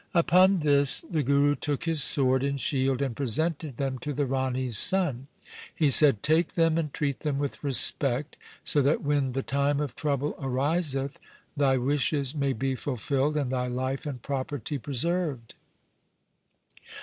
Upon this the Guru took his sword and shield and presented them to the Rani's son. He said, ' Take them and treat them with respect, so that when the time of trouble ariseth, thy wishes may be fulfilled, and thy life and property preserved.'